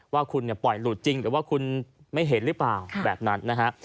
ว่าคุณปล่อยหลุดจริงหรือว่าคุณไม่เห็นหรือเปล่าแบบนั้นนะฮะ